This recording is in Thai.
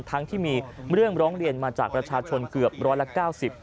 ทั้งที่มีเรื่องร้องเรียนมาจากประชาชนเกือบร้อยละเก้าสิบ